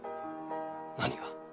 何が？